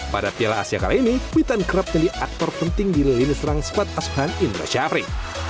pada piala asia kali ini witan kerap jadi aktor penting di lini serang skuad asuhan indra syafri